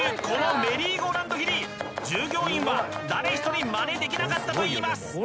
このメリーゴーランド切り従業員は誰一人マネできなかったといいます！